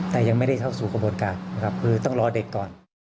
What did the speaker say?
แต่ยังไม่ได้เข้าสู่กระบวนการนะครับคือต้องรอเด็กก่อน